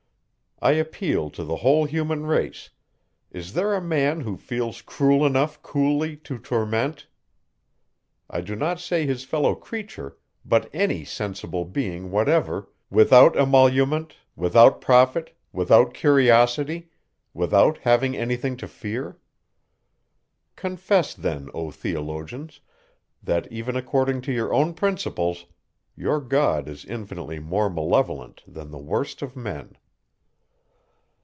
I appeal to the whole human race; is there a man who feels cruel enough coolly to torment, I do not say his fellow creature, but any sensible being whatever, without emolument, without profit, without curiosity, without having any thing to fear? Confess then, O theologians, that, even according to your own principles, your God is infinitely more malevolent than the worst of men.